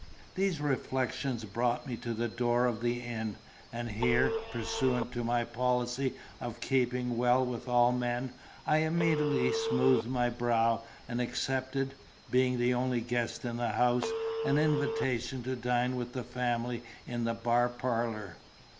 These reflections brought me to the door of the inn. And here, pursuant to my policy of keeping well with all men, I immediately smoothed my brow, and accepted (being the only guest in the house) an invitation to dine with the family in the bar parlour.